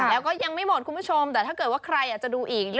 แล้วก็ยังไม่หมดคุณผู้ชมแต่ถ้าเกิดว่าใครอยากจะดูอีก